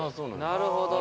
なるほど。